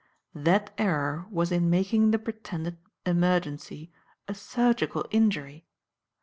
That error was in making the pretended emergency a surgical injury.